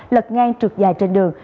lật ngang trượt dài trên đường